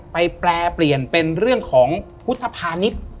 แปลเปลี่ยนเป็นเรื่องของพุทธภานิษฐ์